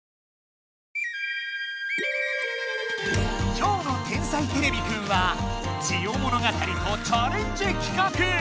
今日の「天才てれびくん」は「ジオ物語」とチャレンジ企画！